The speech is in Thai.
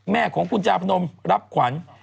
แม่ของคุณจาพนมรับขวัญ